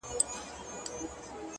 د ژوند پر هره لار چي ځم يوه بلا وينم-